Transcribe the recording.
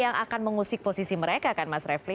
yang akan mengusik posisi mereka kan mas refli